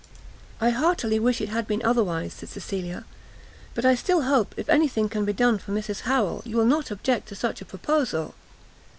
"I heartily wish it had been otherwise," said Cecilia; "but I still hope, if any thing can be done for Mrs Harrel, you will not object to such a proposal."